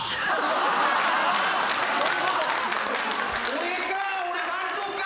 俺か。